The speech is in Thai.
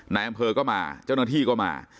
นายอำเภอก็มาเจ้าหน้าที่ก็มา